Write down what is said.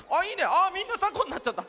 あみんなたこになっちゃった。